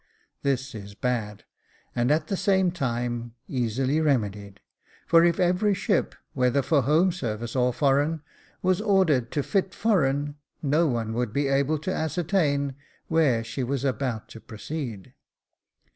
This is bad, and at the same time easily remedied ; for if every ship, whether for home service or foreign, was ordered to fit foreign, no one would be able to ascertain where she was about to proceed.